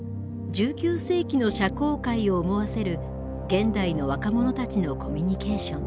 １９世期の社交界を思わせる現代の若者たちのコミュニケーション。